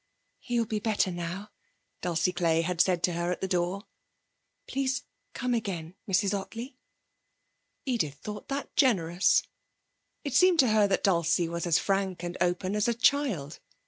'He will be better now,' Dulcie Clay had said to her at the door. 'Please come again, Mrs Ottley.' Edith thought that generous. It seemed to her that Dulcie was as frank and open as a child.